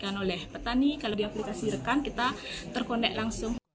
yang oleh petani kalau di aplikasi rekan kita terkonek langsung